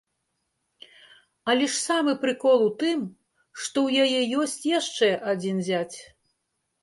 Але ж самы прыкол у тым, што ў яе ёсць яшчэ адзін зяць!